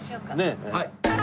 はい。